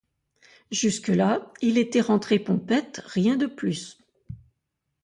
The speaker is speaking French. Jusque-là, il était rentré pompette, rien de plus.